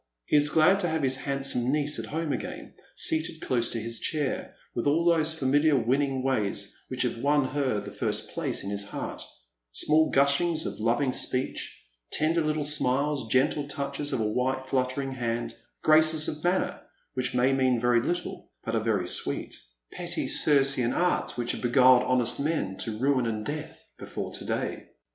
He is glad to have his handsome niece at home again, seated close to his chair, with all those familiar winning ways which have won her the first place in his heart ; small gusliings of lo^dng speech, tender little smiles^ gentle touches of a white fluttering hand — graces of manner which may mean very little, but are very sweet ; petty Grcean Arts which have beguiled honest men to ruin and death before to day.